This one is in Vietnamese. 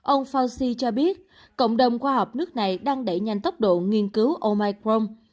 ông fauci cho biết cộng đồng khoa học nước này đang đẩy nhanh tốc độ nghiên cứu omicron